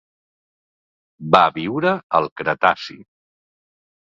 Va viure al Cretaci.